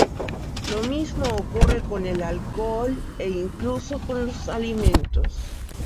Lo mismo ocurre con el alcohol e incluso con los alimentos.